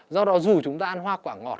do đó dù chúng ta ăn hoa quả ngọt